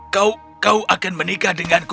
kau akan menikah denganku